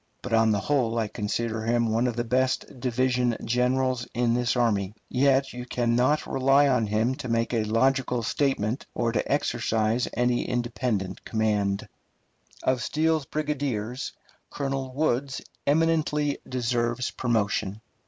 But on the whole I consider him one of the best division generals in this army, yet you can not rely on him to make a logical statement, or to exercise any independent command. Of Steele's brigadiers, Colonel Woods eminently deserves promotion.